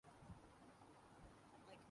دھواں لینے کو بخور کہتے ہیں۔